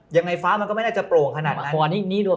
ยังไงฟ้ามันก็ไม่น่าจะโปร่งขนาดนั้น